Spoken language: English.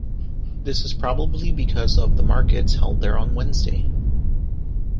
This is probably because of the markets held there on Wednesday.